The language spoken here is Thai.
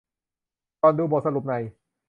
ก่อนดูบทสรุปใน